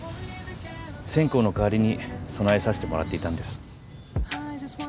線香の代わりに供えさせてもらっていたんです。